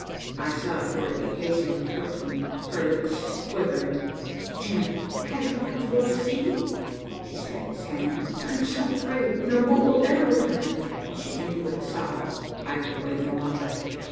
I saw Dorothy hastening towards me, her lips quivering. "Jim, have you got to go to sea?" she said stammering. "I'm so afraid no boat will ever return," and she ended with a sob. I could wait no longer.